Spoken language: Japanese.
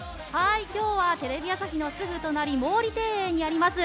今日はテレビ朝日のすぐ隣毛利庭園にあります